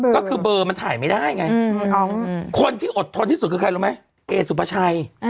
ก็คือเบอร์มันถ่ายไม่ได้ไงคนที่อดทนที่สุดคือใครรู้ไหมเอสุภาชัย